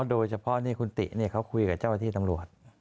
โดยเฉพาะคุณติกี่เนี่ยเขาคุยกับเจ้าอาทีตำรวจ